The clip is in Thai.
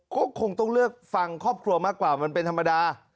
ก็คงต้องเลือกฟังครอบครัวมากกว่ามันเป็นธรรมดา